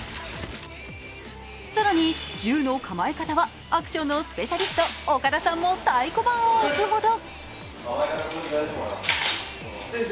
更に銃の構え方はアクションのスペシャリスト、岡田さんも太鼓判を押すほど。